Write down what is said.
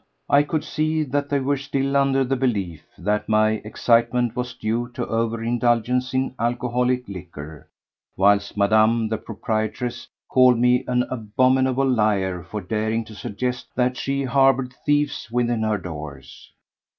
I could see that they were still under the belief that my excitement was due to over indulgence in alcoholic liquor, whilst Madame the proprietress called me an abominable liar for daring to suggest that she harboured thieves within her doors.